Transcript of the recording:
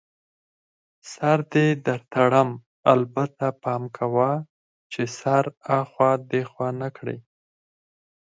سر دې در تړم، البته پام کوه چي سر اخوا دیخوا نه کړې.